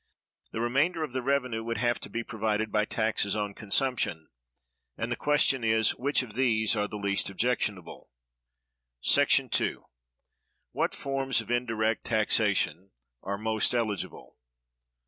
The remainder of the revenue would have to be provided by taxes on consumption, and the question is, which of these are the least objectionable. § 2. What forms of indirect taxation are most eligible?